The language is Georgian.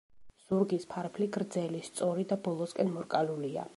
ზურგის ფარფლი გრძელი, სწორი და ბოლოსკენ მორკალულია.